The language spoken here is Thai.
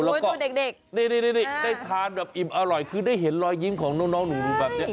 แล้วก็เด็กนี่ได้ทานแบบอิ่มอร่อยคือได้เห็นรอยยิ้มของน้องหนูแบบนี้